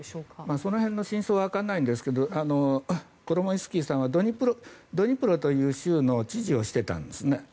その辺の真相はわからないんですがコロモイスキーさんはドニプロという州の知事をしていたんです。